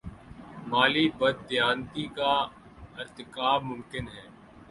مالی بد دیانتی کا ارتکاب ممکن ہے۔